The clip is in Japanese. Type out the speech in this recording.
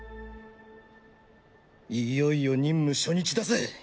いよいよ任務初日だぜ。